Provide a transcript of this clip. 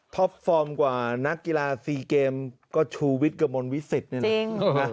ฟอร์มกว่านักกีฬาซีเกมก็ชูวิทย์กระมวลวิสิตนี่แหละ